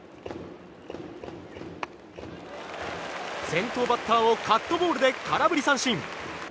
先頭バッターをカットボールで空振り三振！